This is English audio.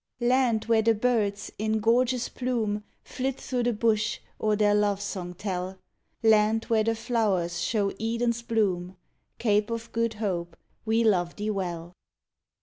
Land where the birds, in gorgeous plume, Flit through the bush or their love song tell; Land where the flowers show Eden's bloom, Cape of Good Hope, we love thee well.